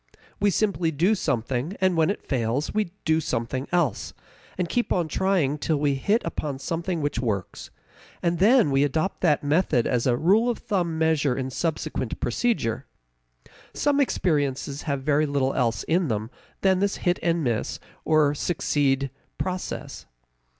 We simply do something, and when it fails, we do something else, and keep on trying till we hit upon something which works, and then we adopt that method as a rule of thumb measure in subsequent procedure. Some experiences have very little else in them than this hit and miss or succeed process.